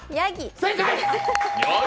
正解！